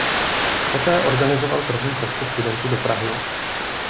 Poté organizoval první cestu studentů do Prahy.